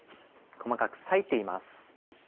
細かく裂いています。